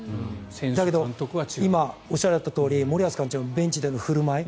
だけど、今おっしゃられたとおり森保監督のベンチでの振る舞い